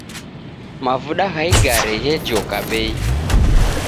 Mavuda gha igare ghejoka bei